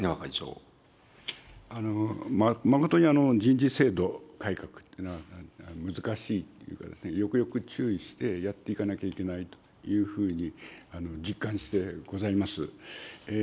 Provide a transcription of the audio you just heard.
誠に人事制度改革というのは難しいというか、よくよく注意してやっていかなきゃいけないというふうに実感してございます。